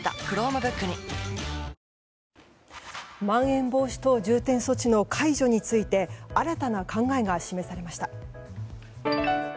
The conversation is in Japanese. まん延防止等重点措置の解除について新たな考えが示されました。